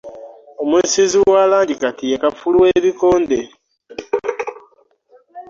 Omusizi wa langi kati ye kafulu w'ebikonde.